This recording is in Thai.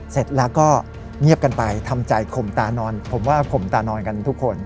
เสร็จแล้วก็เงียบกันไปทำใจข่มตานอนผมว่าข่มตานอนกันทุกคน